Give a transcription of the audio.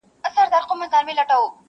له سرو خولیو لاندي اوس سرونو سور واخیست,